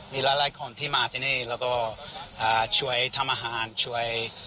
มีหลายคนที่มาที่นี่แล้วก็ช่วยทำอาหารช่วย